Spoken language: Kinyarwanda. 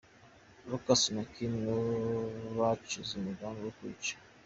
Lucas na Kim nibo bacuze umugambi wo kwica.